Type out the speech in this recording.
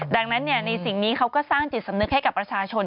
ดังนั้นในสิ่งนี้เขาก็สร้างจิตสำนึกให้กับประชาชน